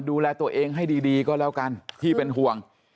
ดูแลตัวเองให้ดีก็แล้วกันที่เป็นห่วง